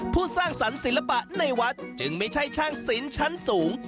สร้างสรรค์ศิลปะในวัดจึงไม่ใช่ช่างศิลป์ชั้นสูง